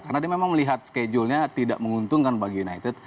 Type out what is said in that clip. karena dia memang melihat schedule nya tidak menguntungkan bagi united